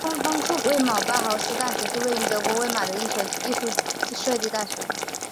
魏玛包豪斯大学是位于德国魏玛的一所艺术设计大学。